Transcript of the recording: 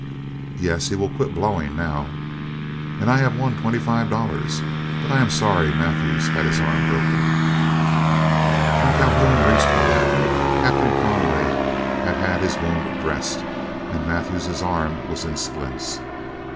"Yes, he will quit blowing now." "And I have won twenty five dollars; but I am sorry Mathews had his arm broken." When Calhoun reached Gallatin, Captain Conway had had his wound dressed, and Mathews's arm was in splints.